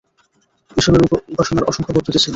এসবের উপাসনার অসংখ্য পদ্ধতি ছিল।